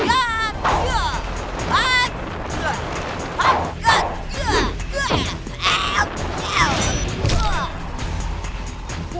berdiam mundur kalian